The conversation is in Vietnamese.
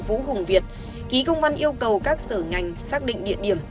vũ hùng việt ký công văn yêu cầu các sở ngành xác định địa điểm